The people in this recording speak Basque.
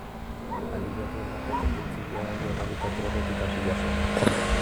Aliatuen arteko tentsioa gerra bukatu aurretik hasia zen.